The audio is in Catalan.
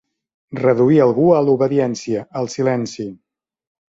Reduir algú a l'obediència, al silenci.